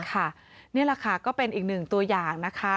นี่แหละค่ะก็เป็นอีกหนึ่งตัวอย่างนะคะ